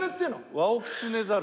ワオキツネザル。